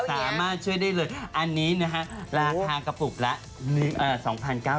สามารถช่วยได้เลยอันนี้นะฮะราคากระปุกละ